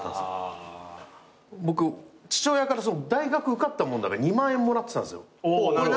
僕父親から大学受かったもんだから２万円もらってたんですよ。